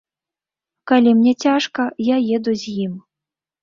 Калі мне цяжка, я еду з ім.